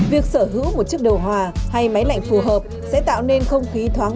việc sở hữu một chiếc đầu hòa hay máy lạnh phù hợp sẽ tạo nên không khí thoáng